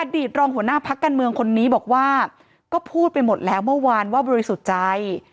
ตรองหัวหน้าพักการเมืองคนนี้บอกว่าก็พูดไปหมดแล้วเมื่อวานว่าบริสุทธิ์ใจ